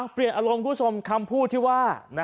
เปลี่ยนอารมณ์คุณผู้ชมคำพูดที่ว่า